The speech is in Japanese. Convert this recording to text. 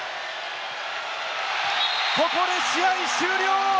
ここで試合終了！